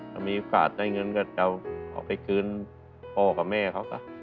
ถ้ามีโอกาสได้เงินก็จะเอาไปคืนพ่อกับแม่เขาก็